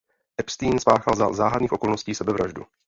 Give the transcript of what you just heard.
Epstein spáchal za záhadných okolností sebevraždu.